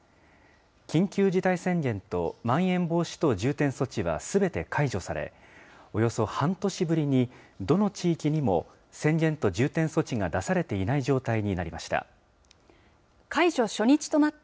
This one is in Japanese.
緊急事態宣言とまん延防止等重点措置はすべて解除され、およそ半年ぶりに、どの地域にも宣言と重点措置が出されていない状態になりました。